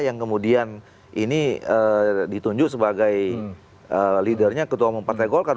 yang kemudian ini ditunjuk sebagai leadernya ketua umum partai golkar